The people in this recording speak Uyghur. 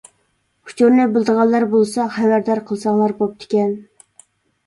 ئۇچۇرىنى بىلىدىغانلار بولسا خەۋەردار قىلساڭلار بوپتىكەن.